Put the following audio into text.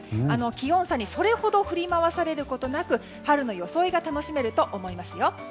気温差にそれほど振り回されることなく春の装いが楽しめると思いますよ。